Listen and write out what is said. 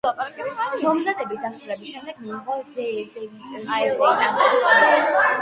მომზადების დასრულების შემდეგ მიიღო რეზერვის ლეიტენანტის წოდება.